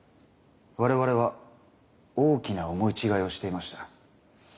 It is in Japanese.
我々は大きな思い違いをしていました。